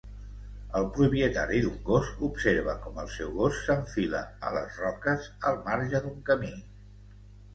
El propietari d'un gos observa com el seu gos s'enfila a les roques al marge d'un camí.